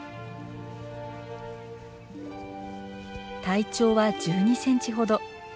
体長は１２センチほど。